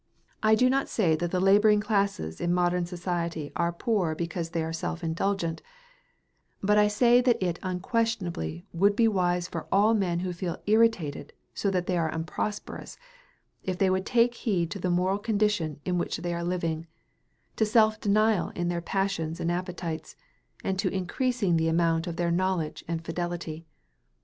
I do not say that the laboring classes in modern society are poor because they are self indulgent, but I say that it unquestionably would be wise for all men who feel irritated that they are so unprosperous, if they would take heed to the moral condition in which they are living, to self denial in their passions and appetites, and to increasing the amount of their knowledge and fidelity.